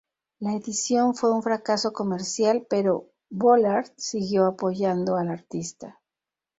La edición fue un fracaso comercial, pero Vollard siguió apoyando al artista.